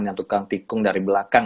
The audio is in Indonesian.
yang tukang tikung dari belakang